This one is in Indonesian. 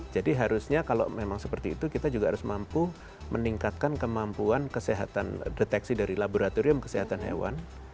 jadi harusnya kalau memang seperti itu kita juga harus mampu meningkatkan kemampuan kesehatan deteksi dari laboratorium kesehatan hewan